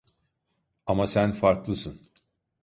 Ama sen farklısın.